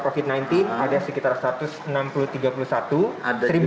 kalau covid sembilan belas ada sekitar satu ratus enam puluh tiga satu ratus tiga puluh satu